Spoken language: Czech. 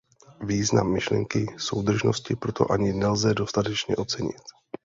Význam myšlenky soudržnosti proto ani nelze dostatečně ocenit.